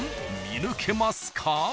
見抜けますか？］